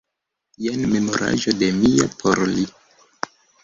Jen memoraĵo de mi por li.